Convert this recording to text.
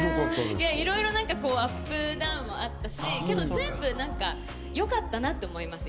いろいろアップダウンもあったし、けど全部よかったなって思います。